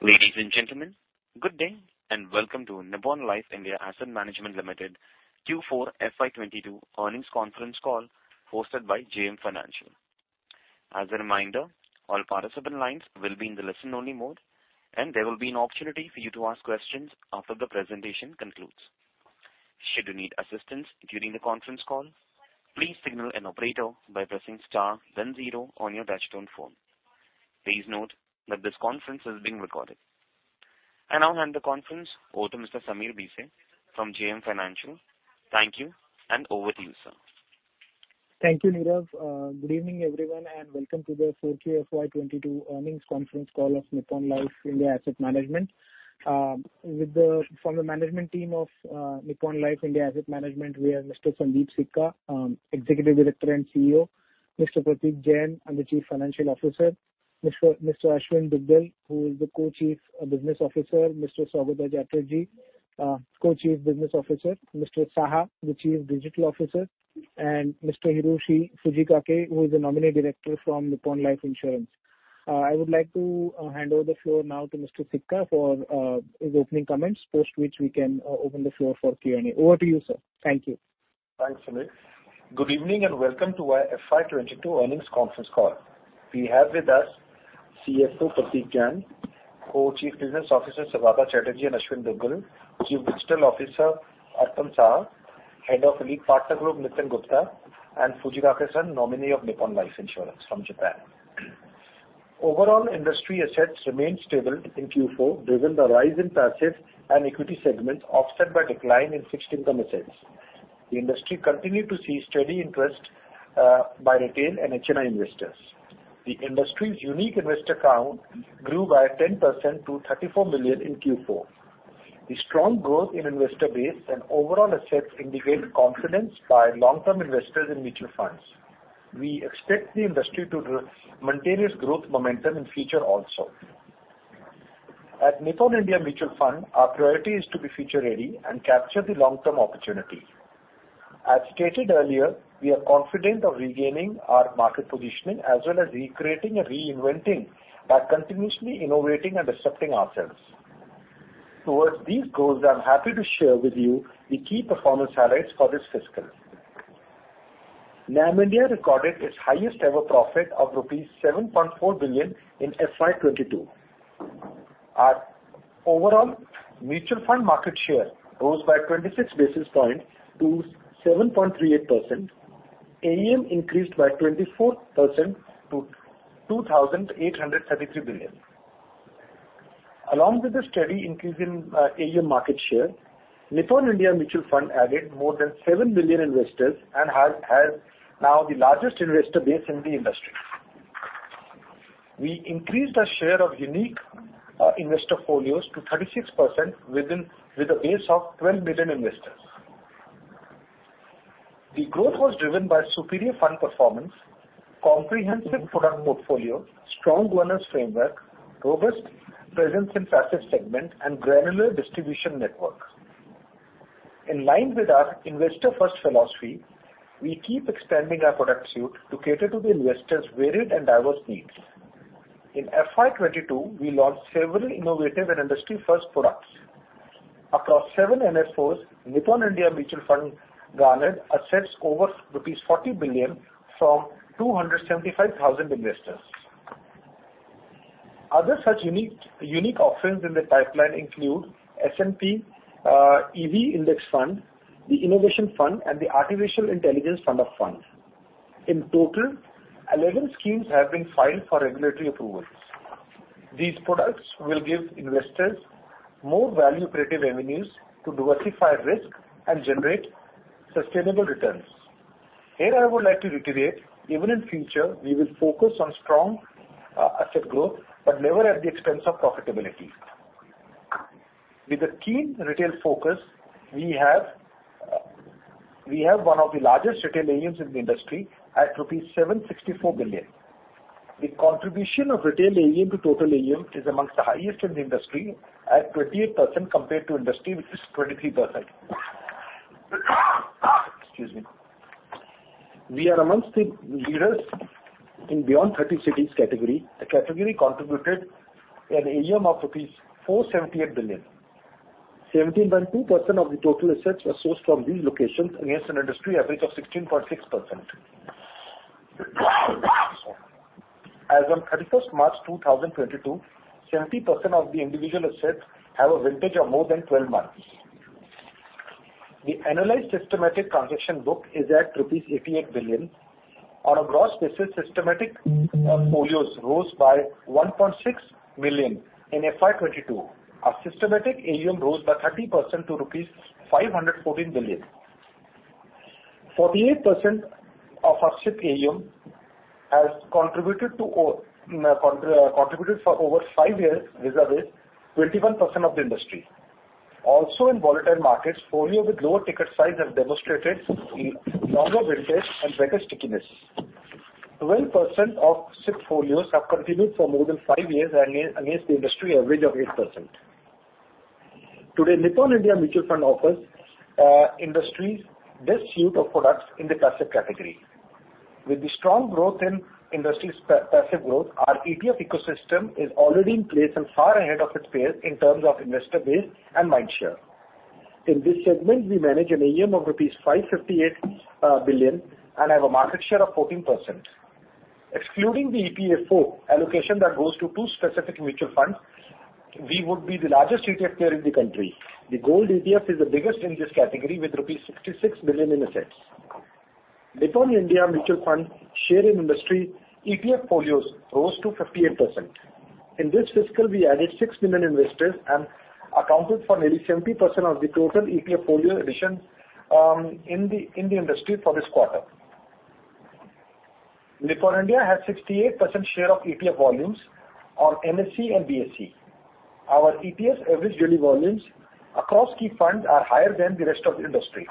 Ladies and gentlemen, good day and welcome to Nippon Life India Asset Management Limited Q4 FY 2022 earnings conference call hosted by JM Financial. As a reminder, all participant lines will be in the listen-only mode, and there will be an opportunity for you to ask questions after the presentation concludes. Should you need assistance during the conference call, please signal an operator by pressing star then zero on your touchtone phone. Please note that this conference is being recorded. I now hand the conference over to Mr. Sameer Bhise from JM Financial. Thank you, and over to you, sir. Thank you, Nirav. Good evening, everyone, and welcome to the 4Q FY 2022 earnings conference call of Nippon Life India Asset Management. From the management team of Nippon Life India Asset Management, we have Mr. Sundeep Sikka, Executive Director and CEO, Mr. Prateek Jain, Chief Financial Officer, Mr. Aashwin Dugal, who is the Co-Chief Business Officer, Mr. Saugata Chatterjee, Co-Chief Business Officer, Mr. Saha, the Chief Digital Officer, and Mr. Hiroshi Fujikake, who is the nominee director from Nippon Life Insurance. I would like to hand over the floor now to Mr. Sikka for his opening comments, post which we can open the floor for Q&A. Over to you, sir. Thank you. Thanks, Sameer. Good evening, and welcome to our FY 2022 earnings conference call. We have with us CFO Prateek Jain, Co-Chief Business Officers Saugata Chatterjee and Aashwin Dugal, Chief Digital Officer Arpanarghya Saha, Head of Elite Partner Group Nitin Gupta, and Hiroshi Fujikake-san, nominee of Nippon Life Insurance from Japan. Overall industry assets remained stable in Q4 driven by the rise in passive and equity segments offset by the decline in fixed income assets. The industry continued to see steady interest by retail and HNI investors. The industry's unique investor count grew by 10% to 34 million in Q4. The strong growth in investor base and overall assets indicate confidence by long-term investors in mutual funds. We expect the industry to maintain its growth momentum in future also. At Nippon India Mutual Fund, our priority is to be future ready and capture the long-term opportunity. As stated earlier, we are confident of regaining our market positioning as well as recreating and reinventing by continuously innovating and disrupting ourselves. Towards these goals, I'm happy to share with you the key performance highlights for this fiscal. NAM India recorded its highest-ever profit of rupees 7.4 billion in FY 2022. Our overall mutual fund market share rose by 26 basis points to 7.38%. AUM increased by 24% to 2,873 billion. Along with the steady increase in AUM market share, Nippon India Mutual Fund added more than 7 million investors and has now the largest investor base in the industry. We increased our share of unique investor folios to 36% with a base of 12 million investors. The growth was driven by superior fund performance, comprehensive product portfolio, strong governance framework, robust presence in passive segment and granular distribution network. In line with our investor-first philosophy, we keep expanding our product suite to cater to the investors' varied and diverse needs. In FY 2022, we launched several innovative and industry-first products. Across seven NFOs, Nippon India Mutual Fund garnered assets over rupees 40 billion from 275,000 investors. Other such unique offerings in the pipeline include S&P EV Index Fund, the Innovation Fund and the Artificial Intelligence Fund of Fund. In total, 11 schemes have been filed for regulatory approvals. These products will give investors more value creative avenues to diversify risk and generate sustainable returns. Here I would like to reiterate, even in future, we will focus on strong asset growth, but never at the expense of profitability. With a keen retail focus, we have one of the largest retail AUMs in the industry at rupees 764 billion. The contribution of retail AUM to total AUM is among the highest in the industry at 28% compared to industry which is 23%. Excuse me. We are among the leaders in beyond thirty cities category. The category contributed an AUM of rupees 478 billion. 17.2% of the total assets are sourced from these locations against an industry average of 16.6%. As on 31st March 2022, 70% of the individual assets have a vintage of more than 12 months. The analyzed systematic transaction book is at rupees 88 billion. On a gross basis, systematic folios rose by 1.6 million in FY 2022. Our systematic AUM rose by 30% to rupees 514 billion. 48% of asset AUM has contributed for over five years vis-à-vis 21% of the industry. Also in volatile markets, folio with lower ticket size have demonstrated a longer vintage and better stickiness. 12% of SIP folios have continued for more than five years against the industry average of 8%. Today, Nippon India Mutual Fund offers the industry's best suite of products in the classic category. With the strong growth in the industry's passive growth, our ETF ecosystem is already in place and far ahead of its peers in terms of investor base and mind share. In this segment, we manage an AUM of rupees 558 billion, and have a market share of 14%. Excluding the EPF4 allocation that goes to two specific mutual funds, we would be the largest ETF player in the country. The Gold ETF is the biggest in this category with rupees 66 billion in assets. Nippon India Mutual Fund share in industry ETF folios rose to 58%. In this fiscal, we added 6 million investors and accounted for nearly 70% of the total ETF folio additions in the industry for this quarter. Nippon India has 68% share of ETF volumes on NSE and BSE. Our ETF average daily volumes across key funds are higher than the rest of the industry.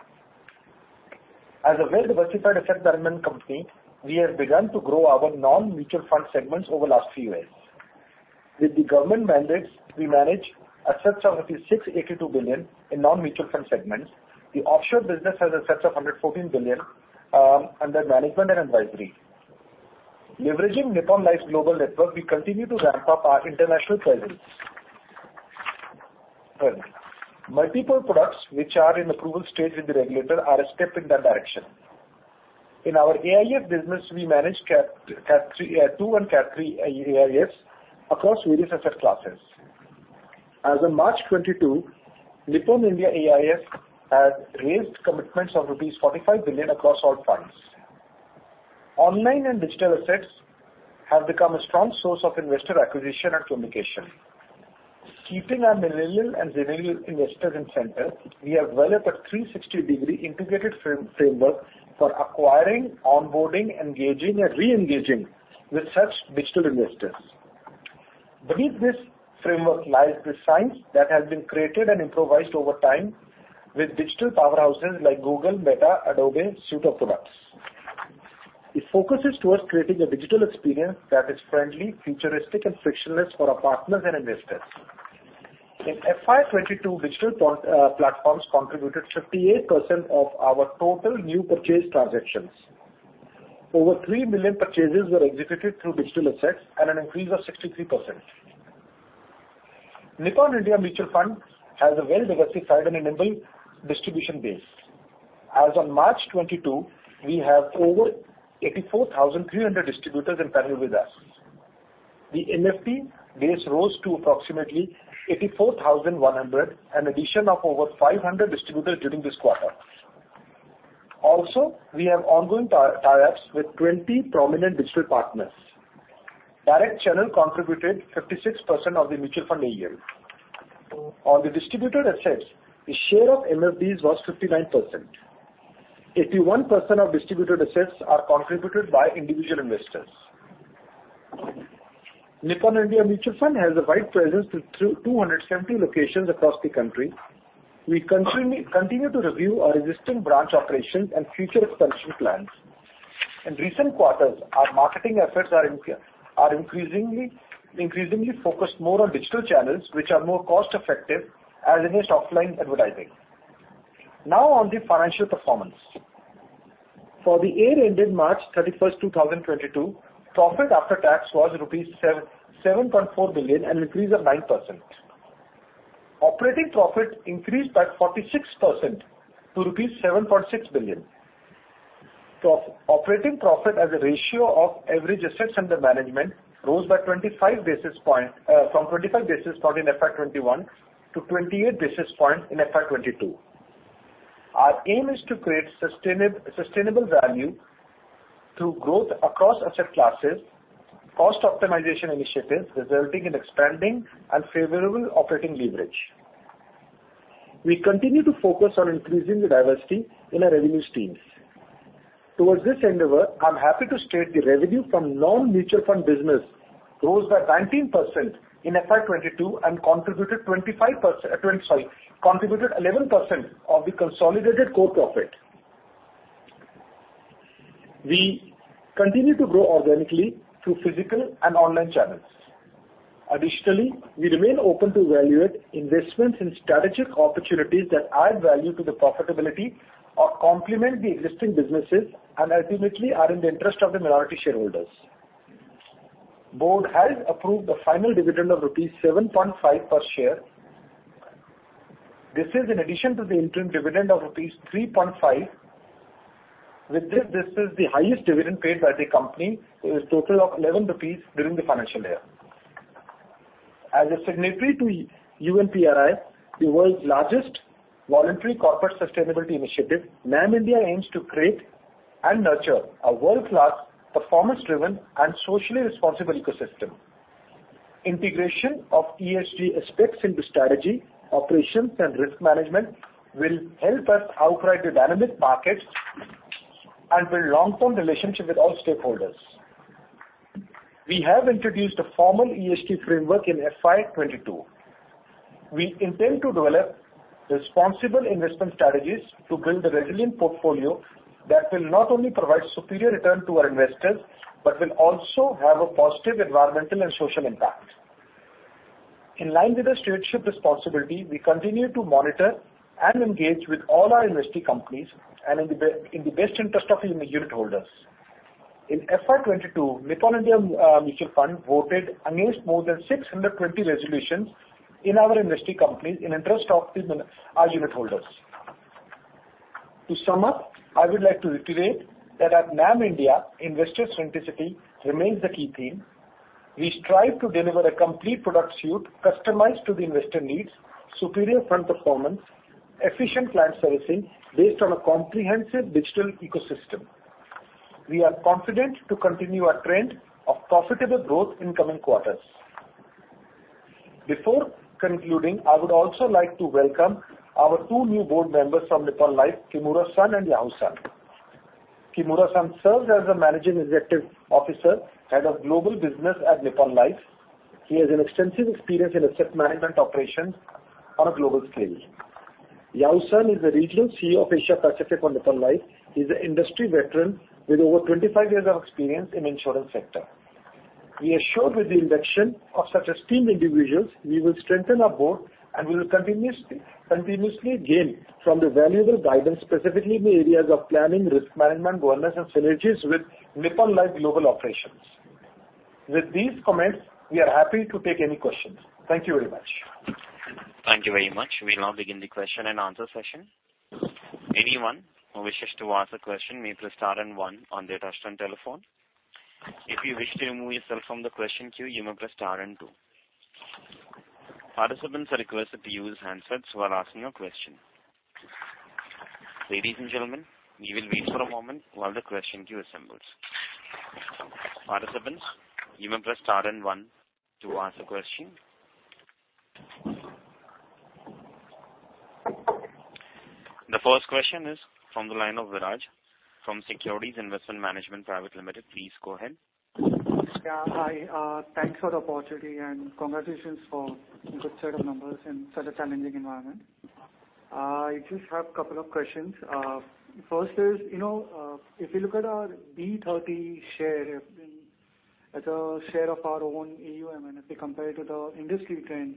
As a well-diversified asset management company, we have begun to grow our non-mutual fund segments over last three years. With the government mandates, we manage assets of rupees 682 billion in non-mutual fund segments. The offshore business has assets of 114 billion under management and advisory. Leveraging Nippon Life's global network, we continue to ramp up our international presence. Multiple products which are in approval stage with the regulator are a step in that direction. In our AIF business, we manage category two and category AIFs across various asset classes. As of March 2022, Nippon India AIF had raised commitments of rupees 45 billion across all funds. Online and digital assets have become a strong source of investor acquisition and communication. Keeping our millennial investors in center, we have developed a 360-degree integrated framework for acquiring, onboarding, engaging and re-engaging with such digital investors. Beneath this framework lies the science that has been created and improvised over time with digital powerhouses like Google, Meta, Adobe suite of products. It focuses towards creating a digital experience that is friendly, futuristic and frictionless for our partners and investors. In FY 2022, digital platforms contributed 58% of our total new purchase transactions. Over 3 million purchases were executed through digital assets, an increase of 63%. Nippon India Mutual Fund has a well-diversified and enabled distribution base. As on March 2022, we have over 84,300 distributors on panel with us. The MFD base rose to approximately 84,100, an addition of over 500 distributors during this quarter. We have ongoing tie-ups with 20 prominent digital partners. Direct channel contributed 56% of the mutual fund AUM. On the distributor assets, the share of MFDs was 59%. 81% of distributor assets are contributed by individual investors. Nippon India Mutual Fund has a wide presence in 270 locations across the country. We continue to review our existing branch operations and future expansion plans. In recent quarters, our marketing efforts are increasingly focused more on digital channels, which are more cost effective as against offline advertising. Now on the financial performance. For the year ended March 31, 2022, profit after tax was rupees 7.4 billion, an increase of 9%. Operating profit increased by 46% to rupees 7.6 billion. Operating profit as a ratio of average assets under management rose by 25 basis point from 25 basis point in FY 2021 to 28 basis point in FY 2022. Our aim is to create sustainable value through growth across asset classes, cost optimization initiatives resulting in expanding and favorable operating leverage. We continue to focus on increasing the diversity in our revenue streams. Towards this endeavor, I'm happy to state the revenue from non-mutual fund business rose by 19% in FY 2022 and contributed 11% of the consolidated core profit. We continue to grow organically through physical and online channels. Additionally, we remain open to evaluate investments in strategic opportunities that add value to the profitability or complement the existing businesses and ultimately are in the interest of the minority shareholders. Board has approved the final dividend of rupees 7.5 per share. This is in addition to the interim dividend of rupees 3.5. With this is the highest dividend paid by the company with a total of 11 rupees during the financial year. As a signatory to UN PRI, the world's largest voluntary corporate sustainability initiative, NAM India aims to create and nurture a world-class, performance-driven and socially responsible ecosystem. Integration of ESG aspects into strategy, operations and risk management will help us navigate the dynamic markets and build long-term relationship with all stakeholders. We have introduced a formal ESG framework in FY 2022. We intend to develop responsible investment strategies to build a resilient portfolio that will not only provide superior return to our investors, but will also have a positive environmental and social impact. In line with the stewardship responsibility, we continue to monitor and engage with all our investee companies in the best interest of unit holders. In FY 2022, Nippon India Mutual Fund voted against more than 620 resolutions in our investee companies in the interest of our unit holders. To sum up, I would like to reiterate that at NAM India, investor centricity remains the key theme. We strive to deliver a complete product suite customized to the investor needs, superior fund performance, efficient client servicing based on a comprehensive digital ecosystem. We are confident to continue our trend of profitable growth in coming quarters. Before concluding, I would also like to welcome our two new board members from Nippon Life, Kimura-san and Yao-san. Kimura-san serves as a Managing Executive Officer, Head of Global Business at Nippon Life. He has an extensive experience in asset management operations on a global scale. Yao-san is the Regional CEO of Asia Pacific for Nippon Life. He's an industry veteran with over 25 years of experience in insurance sector. We are sure with the induction of such esteemed individuals, we will strengthen our board and we will continuously gain from the valuable guidance, specifically in the areas of planning, risk management, governance, and synergies with Nippon Life global operations. With these comments, we are happy to take any questions. Thank you very much. Thank you very much. We now begin the question and answer session. Anyone who wishes to ask a question may press star and one on their touchtone telephone. If you wish to remove yourself from the question queue, you may press star and two. Participants are requested to use handsets while asking a question. Ladies and gentlemen, we will wait for a moment while the question queue assembles. Participants, you may press star and one to ask a question. The first question is from the line of Viraj from SBI Funds Management Private Limited. Please go ahead. Yeah. Hi, thanks for the opportunity and congratulations for good set of numbers in such a challenging environment. I just have a couple of questions. First is, you know, if you look at our B30 share as a share of our own AUM and if we compare it to the industry trend,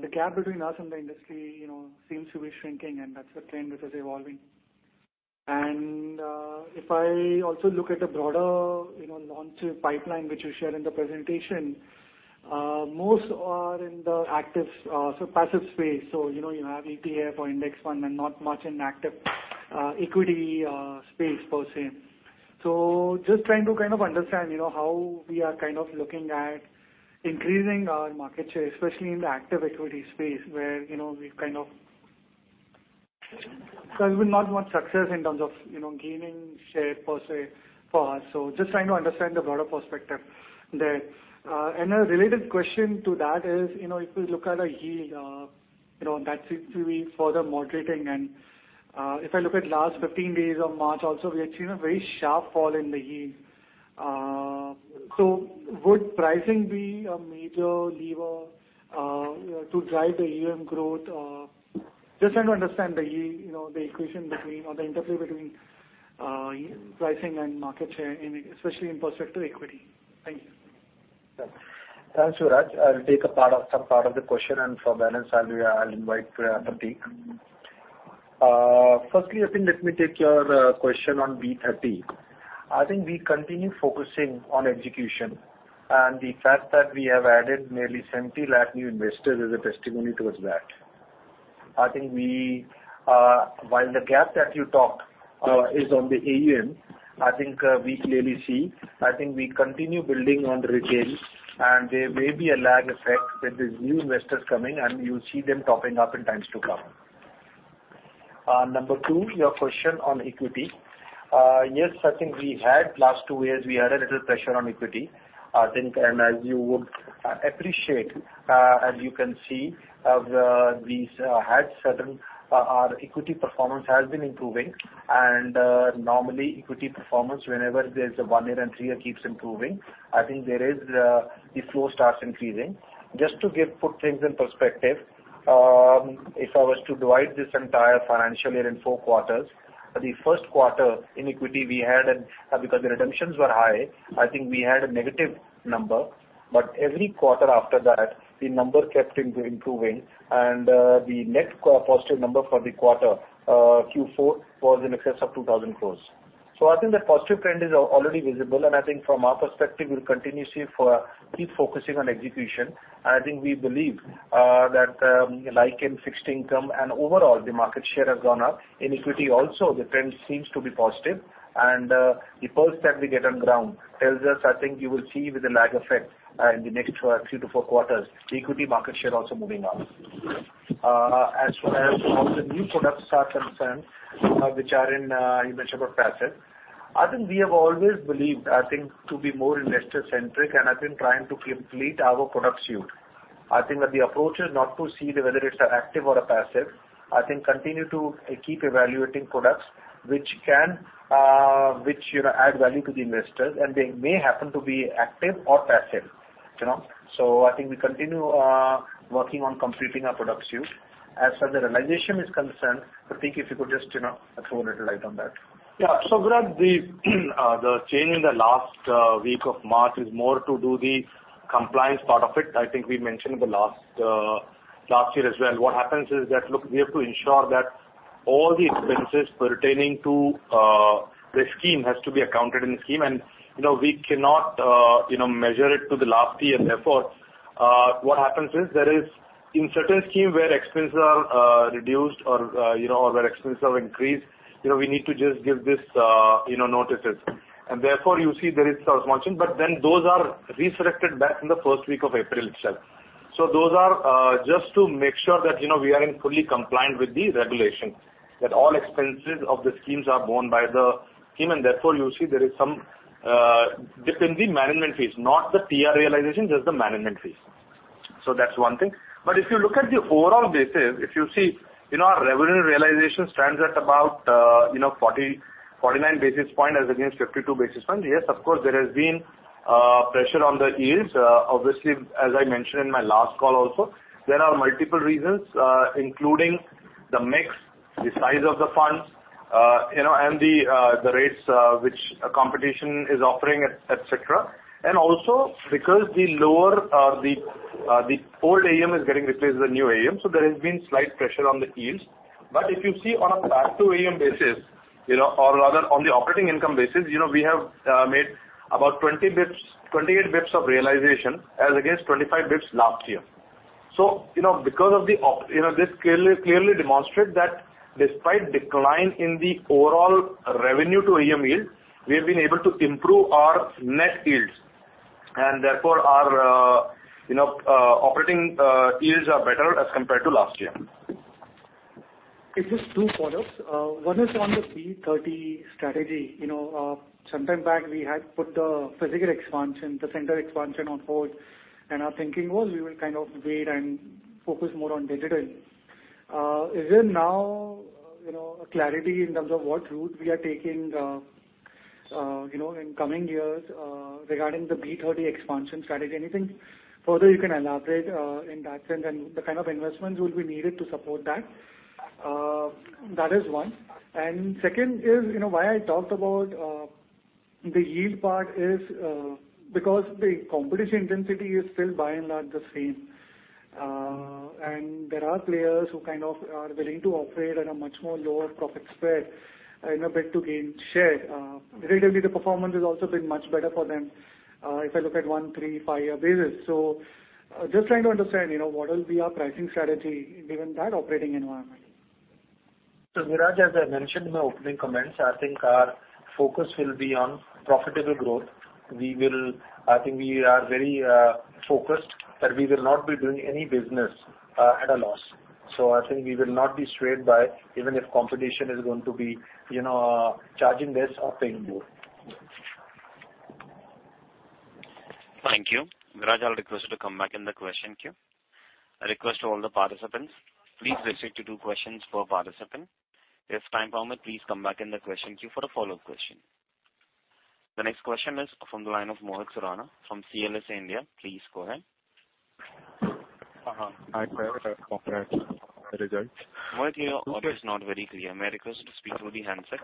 the gap between us and the industry, you know, seems to be shrinking, and that's a trend which is evolving. If I also look at the broader, you know, non-SIP pipeline which you shared in the presentation, most are in the active, so passive space. You know, you have ETF or index fund and not much in active equity space per se. Just trying to kind of understand, you know, how we are kind of looking at increasing our market share, especially in the active equity space where, you know, we've not much success in terms of, you know, gaining share per se for us. Just trying to understand the broader perspective there. A related question to that is, you know, if you look at a yield, you know, that seems to be further moderating. If I look at last 15 days of March also, we have seen a very sharp fall in the yield. Would pricing be a major lever to drive the AUM growth? Just trying to understand the yield, you know, the equation between or the interplay between, uh, pricing and market share in especially in passive equity. Thank you. Thanks, Viraj. I'll take some part of the question, and for balance I'll invite Prateek. Firstly, I think let me take your question on B30. I think we continue focusing on execution and the fact that we have added nearly 70 lakh new investors is a testimony towards that. I think while the gap that you talked is on the AUM, I think we clearly see, I think we continue building on retail and there may be a lag effect with these new investors coming and you'll see them topping up in times to come. Number two, your question on equity. Yes, I think we had last two years a little pressure on equity. I think as you would appreciate, as you can see, we've had certain, our equity performance has been improving and, normally equity performance whenever there's a one-year and three-year keeps improving, I think the flow starts increasing. Just to put things in perspective, if I was to divide this entire financial year in four quarters, the first quarter in equity we had, because the redemptions were high, I think we had a negative number. Every quarter after that, the number kept improving and, the net positive number for the quarter, Q4 was in excess of 2,000 crores. I think the positive trend is already visible, and I think from our perspective, we'll continuously keep focusing on execution. I think we believe, that, like in fixed income and overall the market share has gone up. In equity also the trend seems to be positive. The pulse that we get on ground tells us, I think you will see with a lag effect, in the next, three-four quarters, the equity market share also moving up. As far as how the new products are concerned, which are in, you mentioned about passive, I think we have always believed, I think, to be more investor centric and have been trying to complete our product suite. I think that the approach is not to see whether it's an active or a passive. I think continue to, keep evaluating products which can, which, you know, add value to the investors and they may happen to be active or passive. You know, I think we continue working on completing our product suite. As far as the realization is concerned, Prateek, if you could just, you know, throw a little light on that. Yeah. Viraj, the change in the last week of March is more to do with the compliance part of it. I think we mentioned it last year as well. What happens is that, look, we have to ensure that all the expenses pertaining to the scheme has to be accounted in the scheme and, you know, we cannot, you know, carry it to the last year. Therefore, what happens is there is in certain scheme where expenses are reduced or, you know, or where expenses have increased, you know, we need to just give these notices. Therefore you see there is some sanction, but then those are reversed back in the first week of April itself. Those are just to make sure that you know we are in full compliance with the regulation, that all expenses of the schemes are borne by the scheme, and therefore you see there is some dip in the management fees, not the net realization, just the management fees. That's one thing. If you look at the overall basis, if you see our revenue realization stands at about you know 49 basis points as against 52 basis points. Yes, of course, there has been pressure on the yields. Obviously, as I mentioned in my last call also, there are multiple reasons including the mix, the size of the funds you know and the rates which the competition is offering, et cetera. Because the lower the old AUM is getting replaced with the new AUM, so there has been slight pressure on the yields. But if you see on a back to AUM basis, you know, or rather on the operating income basis, you know, we have made about 20 basis points, 28 basis points of realization as against 25 basis points last year. You know, this clearly demonstrate that despite decline in the overall revenue to AUM yield, we have been able to improve our net yields and therefore our operating yields are better as compared to last year. Okay. It's just two follow-ups. One is on the T30 strategy. You know, sometime back we had put the physical expansion, the center expansion on hold, and our thinking was we will kind of wait and focus more on digital. Is there now, you know, a clarity in terms of what route we are taking, you know, in coming years, regarding the T30 expansion strategy? Anything further you can elaborate, in that sense and the kind of investments will be needed to support that? That is one. Second is, you know, why I talked about the yield part is because the competition intensity is still by and large the same. And there are players who kind of are willing to operate at a much more lower profit spread in a bid to gain share. Relatively, the performance has also been much better for them, if I look at one, three, five-year basis. Just trying to understand, you know, what will be our pricing strategy given that operating environment. Viraj, as I mentioned in my opening comments, I think our focus will be on profitable growth. I think we are very focused that we will not be doing any business at a loss. I think we will not be swayed by even if competition is going to be, you know, charging less or paying more. Thank you. Viraj, I'll request you to come back in the question queue. I request all the participants, please restrict to two questions per participant. If time permit, please come back in the question queue for a follow-up question. The next question is from the line of Mohit Surana from CLSA India. Please go ahead. Hi. Congratulations on the results. Mohit, your audio is not very clear. May I request you to speak through the handset?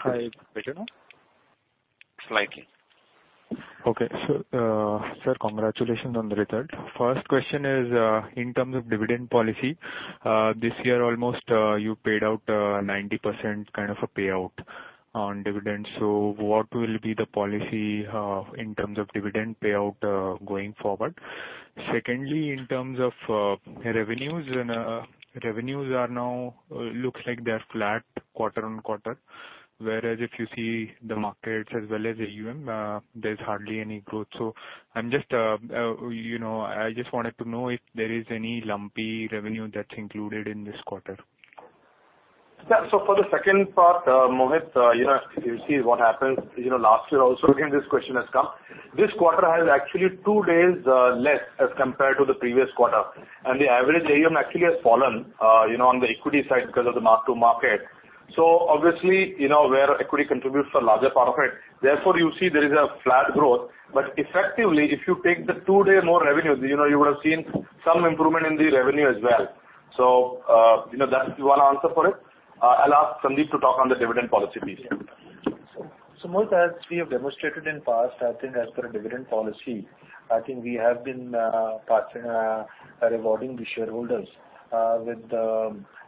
Hi. Better now? Slightly. Okay. Sir, congratulations on the result. First question is, in terms of dividend policy, this year almost you paid out 90% kind of a payout on dividends. What will be the policy, in terms of dividend payout, going forward? Secondly, in terms of revenues, they now look like they are flat quarter-on-quarter. Whereas if you see the markets as well as AUM, there's hardly any growth. I'm just, you know, I just wanted to know if there is any lumpy revenue that's included in this quarter. Yeah. For the second part, Mohit, you know, you see what happens, you know, last year also again this question has come. This quarter has actually two days less as compared to the previous quarter. The average AUM actually has fallen, you know, on the equity side because of the mark to market. Obviously, you know, where equity contributes a larger part of it, therefore you see there is a flat growth. Effectively, if you take the two-day more revenues, you know, you would have seen some improvement in the revenue as well. You know, that's one answer for it. I'll ask Sundeep to talk on the dividend policy please. Yeah. Mohit, as we have demonstrated in the past, I think as per a dividend policy, I think we have been rewarding the shareholders with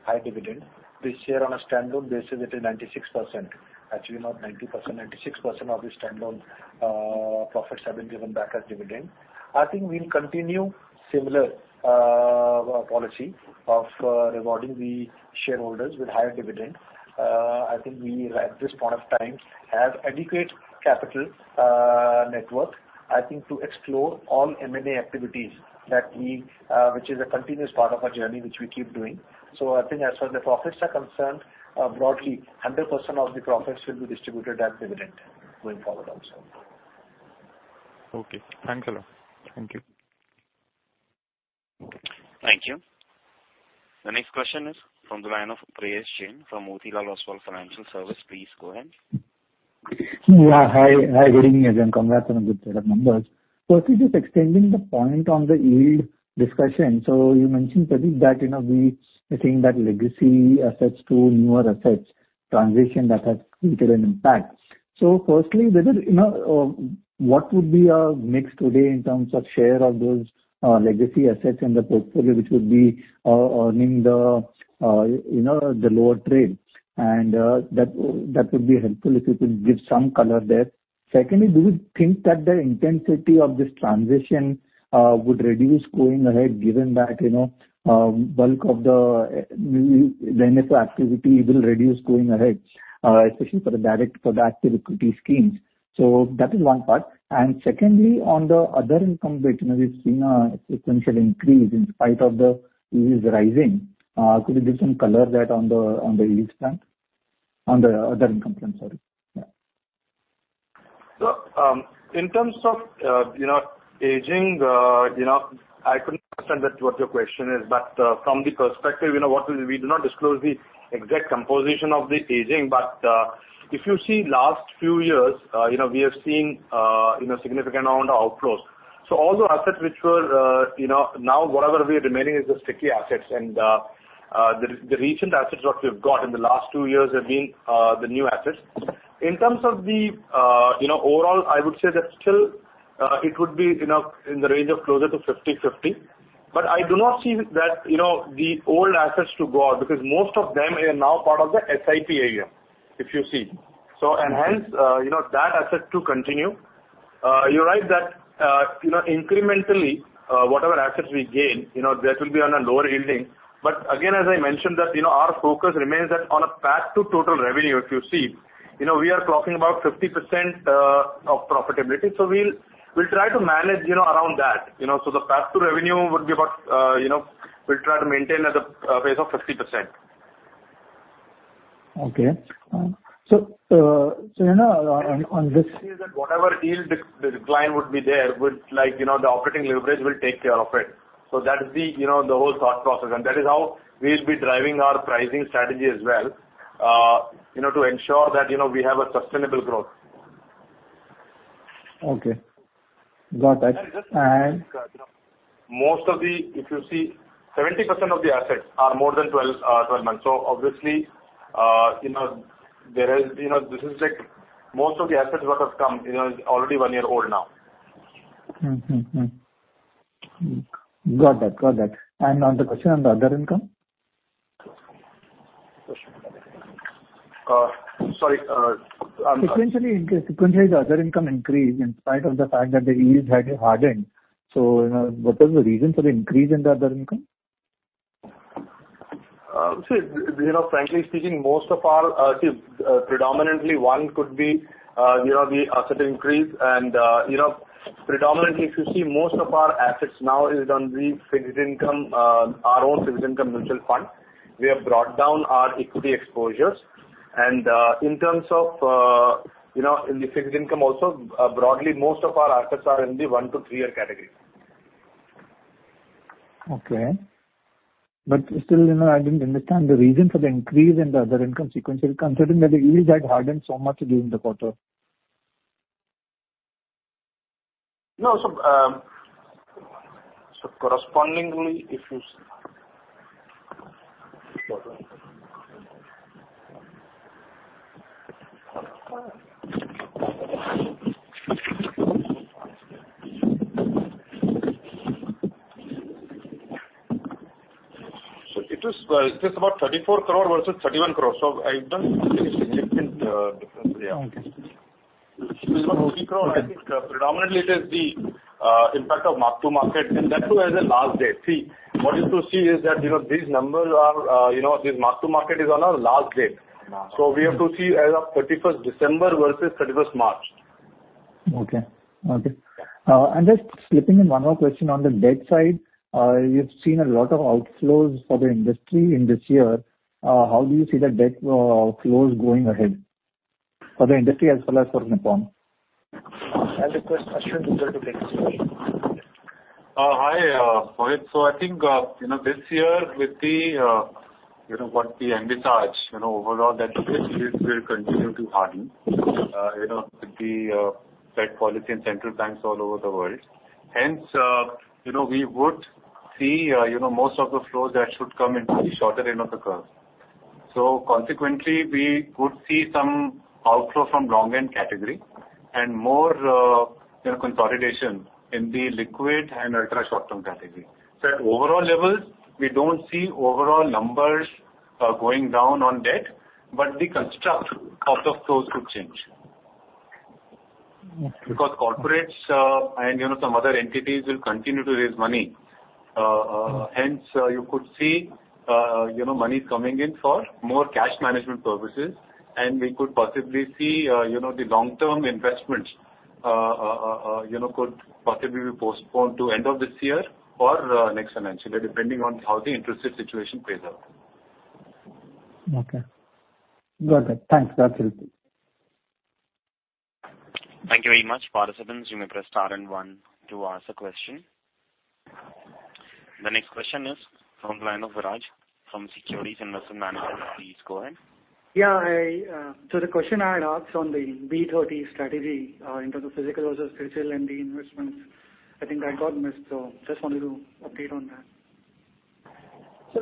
high dividend. This year on a standalone basis it is 96%. Actually not 90%, 96% of the standalone profits have been given back as dividend. I think we'll continue similar policy of rewarding the shareholders with higher dividend. I think we at this point of time have adequate capital, net worth, I think to explore all M&A activities that we, which is a continuous part of our journey which we keep doing. I think as far as the profits are concerned, broadly 100% of the profits will be distributed as dividend going forward also. Okay. Thanks a lot. Thank you. The next question is from the line of Prayesh Jain from Motilal Oswal Financial Services. Please go ahead. Good evening, everyone. Congrats on a good set of numbers. Firstly, just extending the point on the yield discussion. You mentioned, Prateek, that you know we I think that legacy assets to newer assets transition that has created an impact. Firstly, whether you know what would be our mix today in terms of share of those legacy assets in the portfolio, which would be earning the you know the lower rate. And that would be helpful if you could give some color there. Secondly, do you think that the intensity of this transition would reduce going ahead, given that you know bulk of the activity will reduce going ahead, especially for the active equity schemes. That is one part. Secondly, on the other income bit, you know, we've seen a sequential increase in spite of the yields rising. Could you give some color there on the yield front? On the other income front, sorry. Yeah. In terms of, you know, aging, you know, I couldn't understand that what your question is, but, from the perspective, you know, what we do not disclose the exact composition of the aging. If you see last few years, you know, we have seen, you know, significant amount of outflows. All the assets which were, you know, now whatever we are remaining is the sticky assets. The recent assets what we've got in the last two years have been, the new assets. In terms of the, you know, overall, I would say that still, it would be, you know, in the range of closer to 50-50, but I do not see that, you know, the old assets to go out because most of them are now part of the SIP area, if you see. And hence, you know, that asset to continue. You're right that, you know, incrementally, whatever assets we gain, you know, that will be on a lower yielding. But again, as I mentioned that, you know, our focus remains that on a path to total revenue, if you see, you know, we are talking about 50% of profitability. We'll try to manage, you know, around that, you know. The path to revenue would be about, you know, we'll try to maintain at a base of 50%. Okay. So, uh, so, you know, on, on this- Whatever yield decline would be there, like, you know, the operating leverage will take care of it. That's the whole thought process, and that is how we'll be driving our pricing strategy as well, you know, to ensure that we have a sustainable growth. Okay. Got it. Most of the if you see, 70% of the assets are more than 12 months. Obviously, you know, there has, you know, this is like most of the assets what has come, you know, is already one year old now. Got that. Another question on the other income. Sorry. I'm sorry. Sequentially the other income increased in spite of the fact that the yields had hardened. You know, what was the reason for the increase in the other income? You know, frankly speaking, most of our predominantly one could be you know the asset increase and you know predominantly if you see most of our assets now is on the fixed income, our own fixed income mutual fund. We have brought down our equity exposures. In terms of you know in the fixed income also broadly most of our assets are in the one-three-year category. Okay. Still, you know, I didn't understand the reason for the increase in the other income sequentially, considering that the yields had hardened so much during the quarter. No. Correspondingly, it is about 34 crore versus 31 crore. I've done significant difference there. Okay. It was 3 crore. I think, predominantly it is the impact of mark-to-market, and that too has a last date. See, what is to see is that, you know, these numbers are, you know, this mark-to-market is on a last date. We have to see as of thirty-first December versus thirty-first March. I'm just slipping in one more question on the debt side. You've seen a lot of outflows for the industry in this year. How do you see the debt outflows going ahead? For the industry as well as for Nippon? I'll request Aashwin to take this one. Hi, Prayesh. I think, you know, this year with the, you know, what we envisaged, you know, overall that the yields will continue to harden, you know, with the Fed policy and central banks all over the world. Hence, you know, we would see, you know, most of the flows that should come into the shorter end of the curve. Consequently, we could see some outflow from long end category and more, you know, consolidation in the liquid and ultra short-term category. At overall levels, we don't see overall numbers going down on debt, but the construct of the flows could change. Mm-hmm. Because corporates and, you know, some other entities will continue to raise money. Hence, you could see, you know, monies coming in for more cash management purposes, and we could possibly see, you know, the long-term investments you know could possibly be postponed to end of this year or next financial year, depending on how the interest rate situation plays out. Okay. Got it. Thanks. That's helpful. Thank you very much. Participants, you may press star and one to ask a question. The next question is from the line of Viraj from Securities Investment Management. Please go ahead. Yeah, the question I had asked on the B30 strategy, in terms of physical versus digital and the investments, I think that got missed. I just wanted to update on that.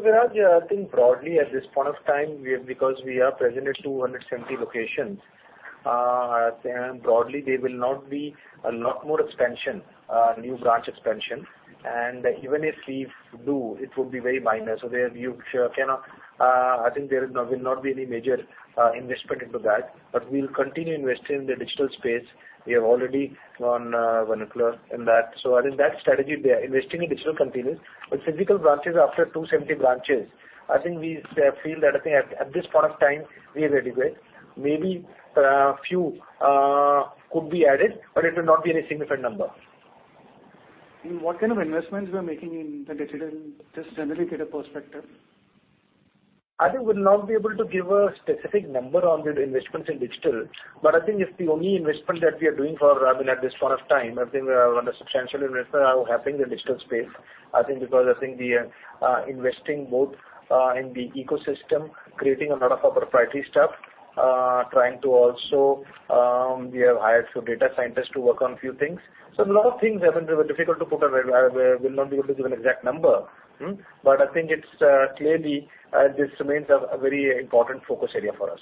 Viraj, yeah, I think broadly at this point of time, we have because we are present at 270 locations, and broadly there will not be a lot more expansion, new branch expansion. Even if we do, it will be very minor. There you cannot, I think there will not be any major investment into that. But we'll continue investing in the digital space. We have already gone vernacular in that. I think that strategy, we are investing in digital continues. But physical branches after 270 branches, I think we feel that, I think at this point of time we are really great. Maybe few could be added, but it will not be any significant number. In what kind of investments we are making in the digital, just generally data perspective? I think we'll not be able to give a specific number on the investments in digital, but I think it's the only investment that we are doing for, I mean, at this point of time, I think we have done a substantial investment happening in the digital space. I think because I think we are investing both in the ecosystem, creating a lot of our proprietary stuff, trying to also, we have hired some data scientists to work on few things. A lot of things, I think. We'll not be able to give an exact number. But I think it's clearly this remains a very important focus area for us.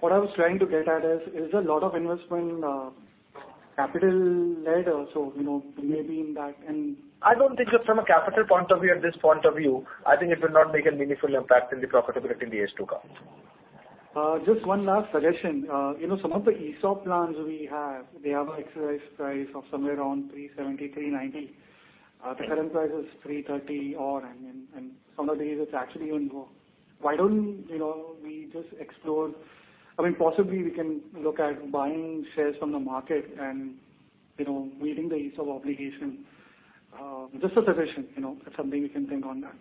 What I was trying to get at is a lot of investment, capital led also, you know, maybe in that and. I don't think just from a capital point of view, at this point of view, I think it will not make a meaningful impact in the profitability in the years to come. Just one last suggestion. You know, some of the ESOP plans we have, they have an exercise price of somewhere around 370-390. The current price is 330, and some of the days it's actually even more. Why don't we just explore? I mean, possibly we can look at buying shares from the market and, you know, meeting the ESOP obligation. Just a suggestion. You know, if something we can think on that.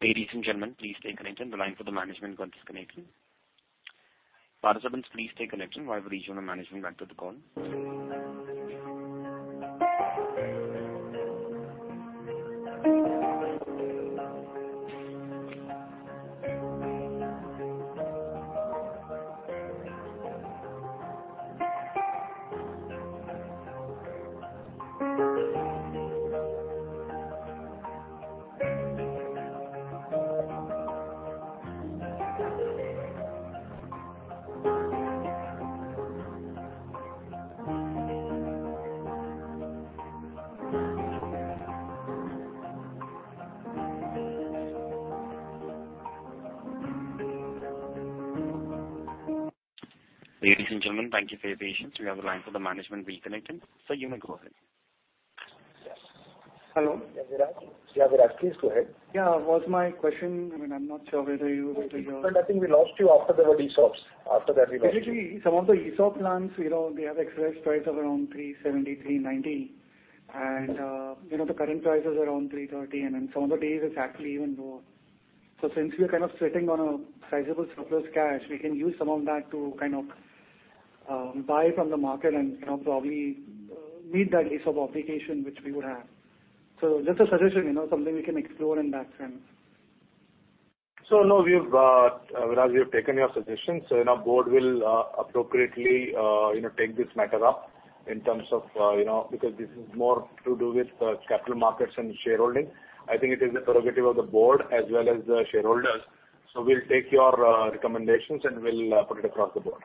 Ladies and gentlemen, please stay connected. The line for the management got disconnected. Participants, please stay connected while we reach out to management back to the call. Ladies and gentlemen, thank you for your patience. We have the line for the management reconnected. Sir, you may go ahead. Yes. Hello. Yeah, Viraj. Yeah, Viraj, please go ahead. Yeah. Was my question, I mean, I'm not sure whether you. Viraj, I think we lost you after the ESOPs. After that we lost you. Basically, some of the ESOP plans, you know, they have exercise price of around 370-390. You know, the current price is around 330, and then some of the days it's actually even more. Since we're kind of sitting on a sizable surplus cash, we can use some of that to kind of buy from the market and, you know, probably meet that ESOP obligation which we would have. Just a suggestion, you know, something we can explore in that sense. No, we've, Viraj, we have taken your suggestion. Our board will appropriately, you know, take this matter up in terms of, you know, because this is more to do with capital markets and shareholding. I think it is the prerogative of the board as well as the shareholders. We'll take your recommendations, and we'll put it across the board.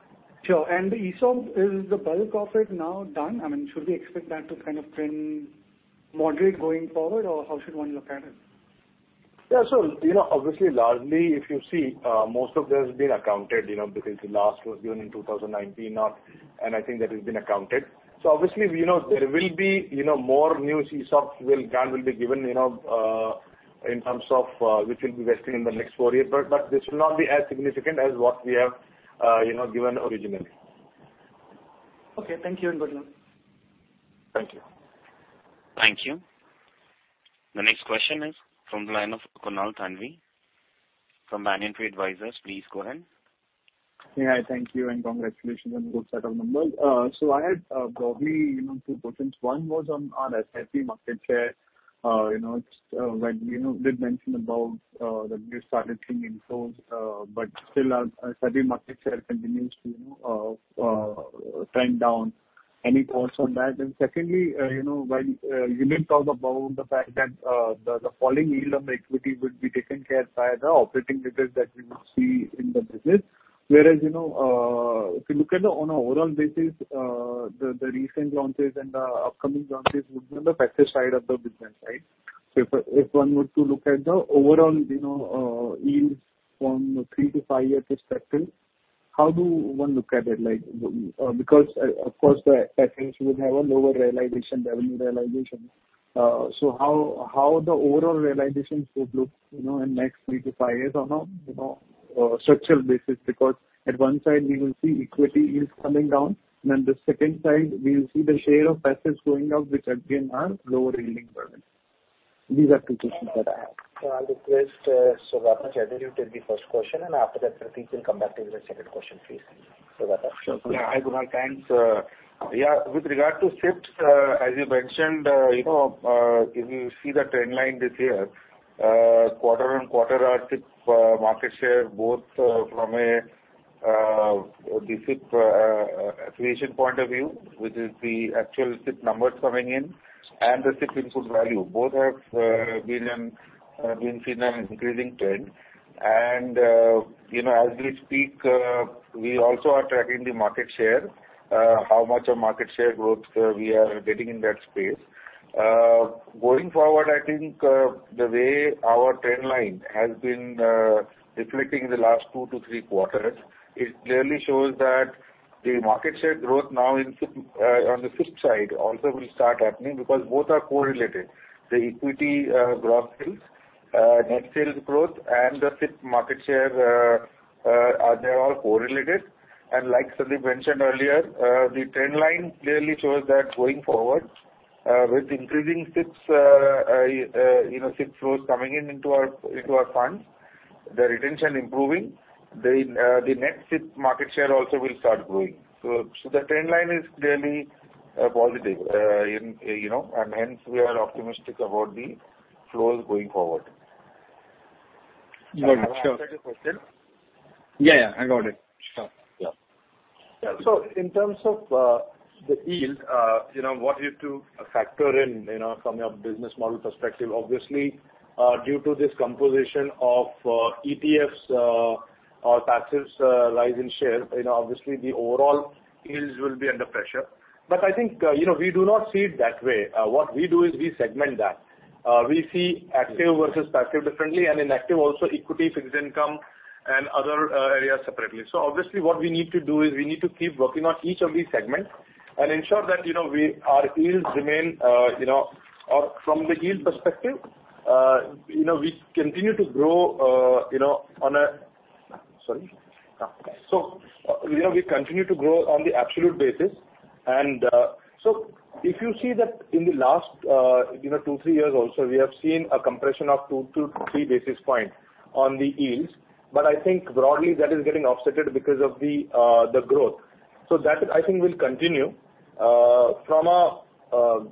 Sure. The ESOP, is the bulk of it now done? I mean, should we expect that to kind of trend moderate going forward, or how should one look at it? Yeah. You know, obviously, largely, if you see, most of this has been accounted, you know, because the last was given in 2019, and I think that has been accounted. Obviously, you know, there will be, you know, more new ESOPs will be given, you know, in terms of, which will be vesting in the next 4 years. But this will not be as significant as what we have, you know, given originally. Okay. Thank you and good luck. Thank you. Thank you. The next question is from the line of Kunal Thanvi from Banyan Tree Advisors. Please go ahead. Yeah, thank you and congratulations on the good set of numbers. So I had, broadly, you know, two questions. One was on SIP market share. You know, it's when you did mention about that you started seeing inflows, but still our SIP market share continues to trend down. Any thoughts on that? And secondly, you know, while you did talk about the fact that the falling yield on the equity would be taken care by the operating levers that we now see in the business. Whereas, you know, if you look at then on an overall basis, the recent launches and the upcoming launches would be on the passive side of the business, right? If one were to look at the overall, you know, yields from 3-5 year perspective, how do one look at it like, because of course, the passives would have a lower realization, revenue realization. How the overall realization would look, you know, in next 3-5 years or more, you know, structural basis? Because at one side we will see equity is coming down, and then the second side we will see the share of passives going up, which again are lower yielding products. These are two questions that I have. I'll request Saugata Chatterjee take the first question, and after that Prateek will come back to the second question please. Saugata? Sure. Yeah. Hi, Kunal. Thanks. Yeah, with regard to SIPs, as you mentioned, you know, if you see the trend line this year, quarter-over-quarter our SIP market share both from the SIP accretion point of view, which is the actual SIP numbers coming in and the SIP input value, both have been seeing an increasing trend. You know, as we speak, we also are tracking the market share, how much of market share growth we are getting in that space. Going forward, I think, the way our trend line has been reflecting the last 2-3 quarters, it clearly shows that the market share growth now in SIP on the SIP side also will start happening because both are correlated. The equity, gross sales, net sales growth and the SIP market share, they're all correlated. Like Sundeep mentioned earlier, the trend line clearly shows that going forward, with increasing SIPs, you know, SIP flows coming in into our, into our funds, the retention improving, the net SIP market share also will start growing. The trend line is clearly positive in you know. Hence we are optimistic about the flows going forward. Got it. Sure. I hope I answered your question. Yeah, yeah. I got it. Sure. Yeah. In terms of the yield, you know, what you need to factor in, you know, from your business model perspective, obviously, due to this composition of ETFs or taxes rise in share, you know, obviously the overall yields will be under pressure. I think, you know, we do not see it that way. What we do is we segment that. We see active versus passive differently, and in active also equity, fixed income and other areas separately. Obviously what we need to do is we need to keep working on each of these segments and ensure that, you know, our yields remain, you know, or from the yield perspective, you know, we continue to grow, you know, on the absolute basis. If you see that in the last, you know, two-three years also, we have seen a compression of 2 basis points-3 basis points on the yields. I think broadly that is getting offset because of the growth. That I think will continue. From